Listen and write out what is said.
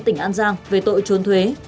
tp an giang về tội trốn thuế